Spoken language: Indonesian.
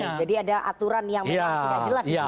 jadi ada aturan yang tidak jelas di situ ya